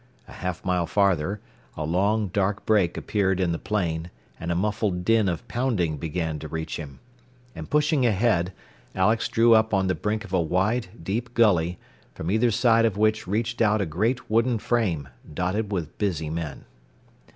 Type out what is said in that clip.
A half mile farther, a long, dark break appeared in the plain, and a muffled din of pounding began to reach him. And pushing ahead, Alex drew up on the brink of a wide, deep gully, from either side of which reached out a great wooden frame, dotted with busy men.